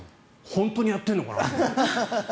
本当にやってるのかな？って。